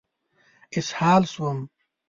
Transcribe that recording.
اسهال شوم.